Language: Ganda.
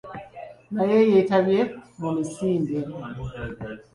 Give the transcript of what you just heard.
Naye yeetabye mu misinde.